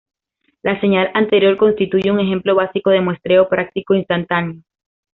La señal anterior constituye un ejemplo básico de muestreo práctico instantáneo.